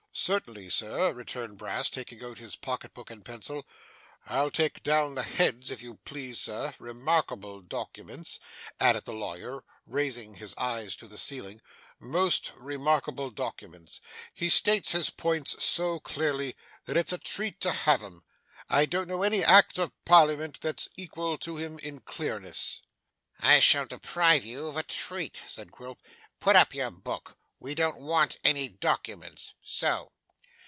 'Certainly, sir,' returned Brass, taking out his pocket book and pencil. 'I'll take down the heads if you please, sir. Remarkable documents,' added the lawyer, raising his eyes to the ceiling, 'most remarkable documents. He states his points so clearly that it's a treat to have 'em! I don't know any act of parliament that's equal to him in clearness.' 'I shall deprive you of a treat,' said Quilp. 'Put up your book. We don't want any documents. So.